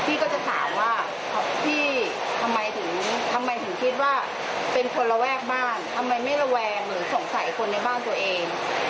พี่ก็จะถามว่าพี่ทำไมถึงทำไมถึงคิดว่าเป็นคนระแวกบ้านทำไมไม่ระแวงหรือสงสัยคนในบ้านตัวเอง